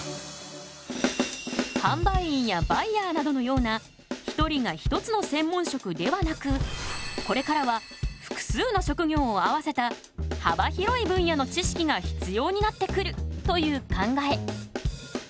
販売員やバイヤーなどのような１人が一つの専門職ではなくこれからは複数の職業を合わせた幅広い分野の知識が必要になってくる！という考え。